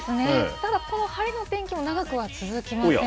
ただこの晴れの天気も長くは続きません。